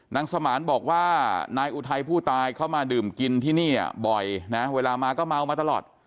สมานบอกว่านายอุทัยผู้ตายเข้ามาดื่มกินที่นี่บ่อยนะเวลามาก็เมามาตลอด